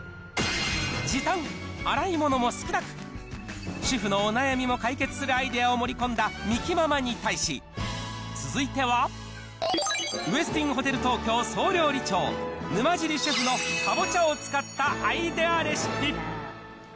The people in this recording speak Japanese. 時短、洗い物も少なく、主婦のお悩みも解決するアイデアを盛り込んだみきママに対し、続いては、ウェスティンホテル東京総料理長、沼尻シェフのかぼちゃを使ったアイデアレシピ。